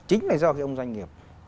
chính là do cái ông doanh nghiệp